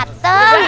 udah dateng ya